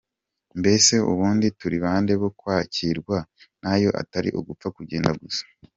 Mbese ubundi turi bande bo kwakirwa nayo atari ugupfa kugenda gusa?.